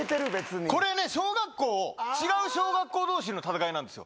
これね小学校違う小学校同士の戦いなんですよ。